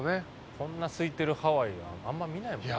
こんなすいてるハワイはあんまり見ないもんね。